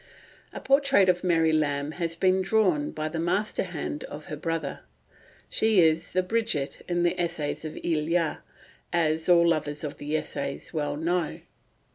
A portrait of Mary Lamb has been drawn by the master hand of her brother. She is the Bridget of the Essays of Elia, as all lovers of the essays well know.